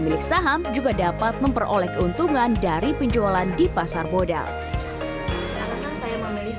dan juga dapat memperoleh keuntungan dari penjualan di pasar modal